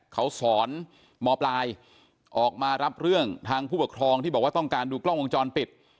เขาสอนมปลายออกมารับเรื่องทางผู้ปกครองที่บอกว่าต้องการดูกล้องวงจรปิด